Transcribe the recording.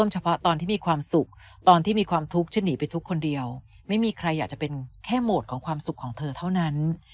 จะหนีไปทุกคนเดียวไม่มีใครอยากจะเป็นแค่โหมดของความสุขของเธอเท่านั้น